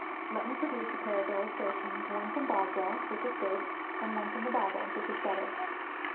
Let me produce a pair of illustrations, one from Boswell, which is good; and one from the Bible, which is better.